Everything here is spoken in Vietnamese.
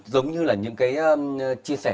giống như là những cái chia sẻ